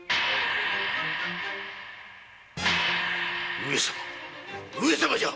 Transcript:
上様上様じゃ！